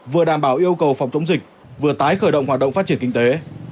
vừa đảm bảo yêu cầu phòng chống dịch vừa tái khởi động hoạt động phát triển kinh tế